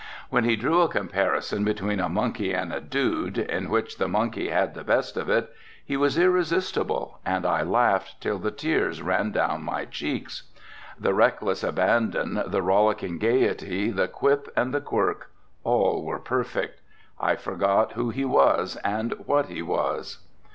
When he drew a comparison between a monkey and a dude, in which the monkey had the best of it, he was irresistible and I laughed till the tears ran down my cheeks. The reckless abandon, the rollicking gaiety, the quip and quirk,—all were perfect. I forgot who he was and what he was.